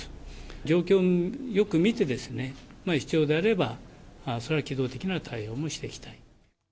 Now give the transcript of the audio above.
状況をよく見て、必要であれば、それは機動的な対応もしていきたい。